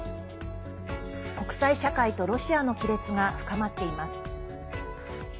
国際社会とロシアの亀裂が深まっています。